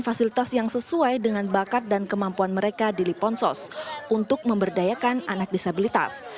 fasilitas yang sesuai dengan bakat dan kemampuan mereka di liponsos untuk memberdayakan anak disabilitas